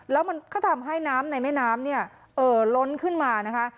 แล้วมันก็ทำให้น้ำในแม่น้ำเนี่ยเอ่อล้นขึ้นมานะคะ